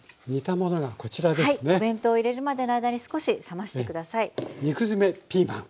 お弁当入れるまでの間に少し冷まして下さい。